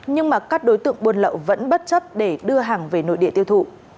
nhưng mà các đối tượng buôn lậu vẫn bất chấp để đưa hàng về nội địa tiêu thụ